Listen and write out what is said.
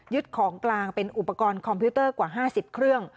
ของกลางเป็นอุปกรณ์คอมพิวเตอร์กว่า๕๐เครื่อง